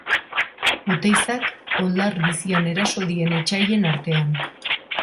Oteizak oldar bizian eraso dien etsaien artean.